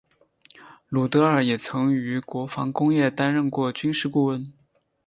鲁德尔也曾于国防工业担任过军事顾问。